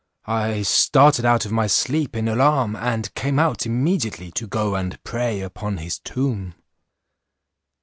I started out of my sleep in alarm, and came out immediately to go and pray upon his tomb."